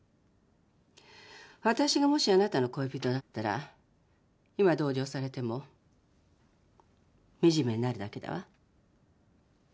私がもしあなたの恋人だったら今同情されても惨めになるだけだわ。